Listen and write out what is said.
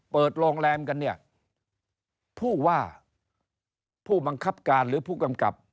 เปิดโรงแรมกันเนี่ยผู้ว่าผู้บังคับการหรือผู้กำกับ